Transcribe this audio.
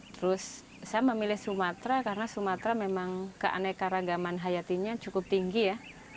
terus saya memilih sumatera karena sumatera memang keanekaragaman hayatinya cukup tinggi ya